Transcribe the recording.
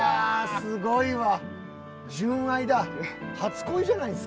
すごいわ。